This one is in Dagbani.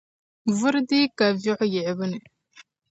Vuri dii ka viɣu yiɣibu ni.